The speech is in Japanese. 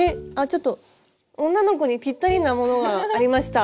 ちょっと女の子にぴったりなものがありました。